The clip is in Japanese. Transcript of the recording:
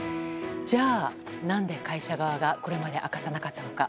じゃあ、何で会社側がこれまで明かさなかったのか。